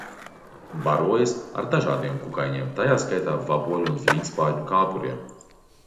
Barojas ar dažādiem kukaiņiem, tajā skaitā vaboļu un zvīņspārņu kāpuriem.